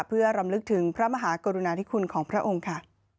เพื่อรำลึกถึงพระมหากรุณาธิคุณของพระองค์ค่ะ